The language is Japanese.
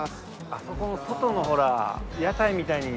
あそこの外のほら。